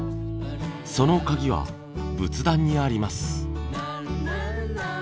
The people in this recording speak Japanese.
その鍵は仏壇にあります。